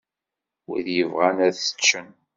Wid yebɣan ad t-ččen.